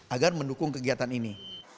agar mendukung kegiatan ini